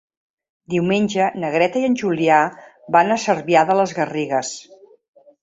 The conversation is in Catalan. Diumenge na Greta i en Julià van a Cervià de les Garrigues.